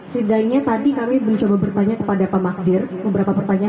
setidaknya tadi kami mencoba bertanya kepada pak magdir beberapa pertanyaan